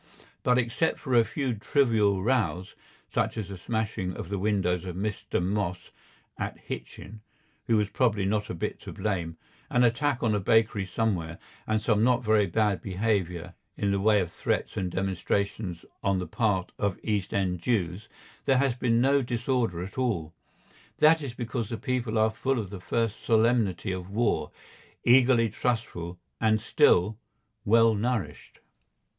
But except for a few trivial rows, such as the smashing of the windows of Mr. Moss, at Hitchin, who was probably not a bit to blame, an attack on a bakery somewhere, and some not very bad behaviour in the way of threats and demonstrations on the part of East End Jews, there has been no disorder at all. That is because the people are full of the first solemnity of war, eagerly trustful, and still—well nourished.